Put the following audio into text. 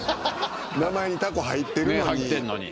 名前にタコ入ってるのに。